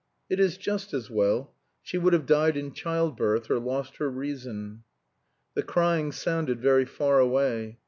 "It is just as well. She would have died in child birth, or lost her reason." The crying sounded very far away.